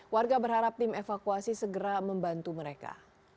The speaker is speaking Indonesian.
warga berharap tim evakuasi segera membantu mereka